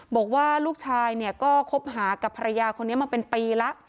บอกว่าลูกชายก็ครบหากับภรรยาคนนี้มาเป็นปีละ